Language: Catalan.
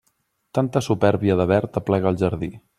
Tanta supèrbia de verd aplega al jardí.